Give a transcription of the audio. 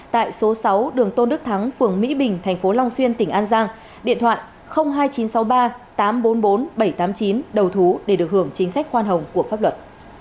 tại số sáu đường tôn đức thắng phường mỹ bình tp long xuyên tỉnh an giang điện thoại hai nghìn chín trăm sáu mươi ba tám trăm bốn mươi bốn bảy trăm tám mươi chín đầu thú để được hưởng chính sách khoan hồng của pháp luật